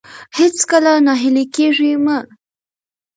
هېڅکله ناهيلي کېږئ مه.